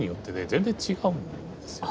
全然違うんですよ。